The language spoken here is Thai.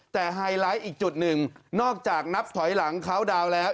แต่ไฮไลท์อีกจุดหนึ่งนอกจากนับถอยหลังเข้าดาวน์แล้ว